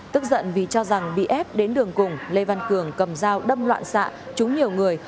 tức giận vì cho rằng bị ép đến đường cùng lê văn cường cầm dao đâm loạn xạ trúng nhiều người